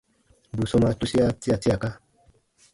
Bù sɔmaa tusia tia tiaka.